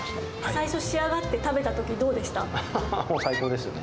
最初、仕上がって食べたとき、最高ですよね。